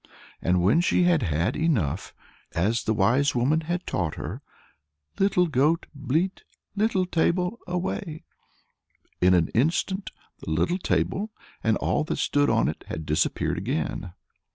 And when she had had enough, she said as the wise woman had taught her "Little goat, bleat; little table, away." In an instant the little table, and all that stood on it, had disappeared again.